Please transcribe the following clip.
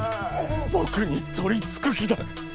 僕に取り憑く気だッ！